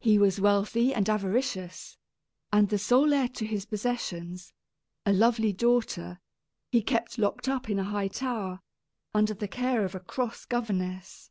He was wealthy and avaricious, and the sole heir to his possessions, a lovely daughter, he kept locked up in a high tower, under the care of a cross governess.